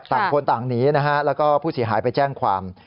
ต่างคนต่างหนีนะฮะแล้วก็ผู้เสียหายไปแจ้งความ